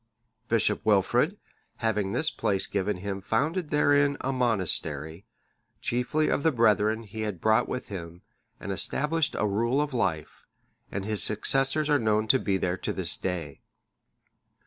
Bishop Wilfrid, having this place given him, founded therein a monastery, chiefly of the brethren he had brought with him, and established a rule of life; and his successors are known to be there to this day.